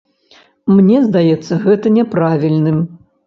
Мне здаецца гэта няправільным.